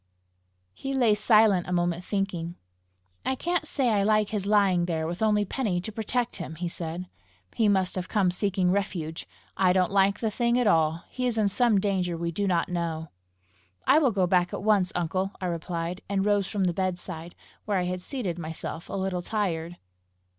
He lay silent a moment, thinking. "I can't say I like his lying there with only Penny to protect him!" he said. "He must have come seeking refuge! I don't like the thing at all! He is in some danger we do not know!" "I will go back at once, uncle," I replied, and rose from the bedside, where I had seated myself a little tired.